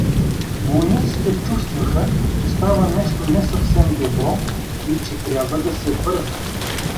Войниците чувствуваха, че става нещо не съвсем добро и че трябва да се бърза.